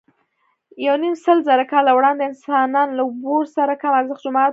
یونیمسلزره کاله وړاندې انسانان له اور سره کم ارزښته موجودات وو.